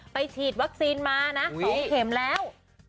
ฉีดวัคซีนมานะ๒เข็มแล้ว